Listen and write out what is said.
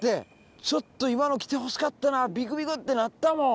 ちょっと今の来てほしかったなビクビクってなったもん。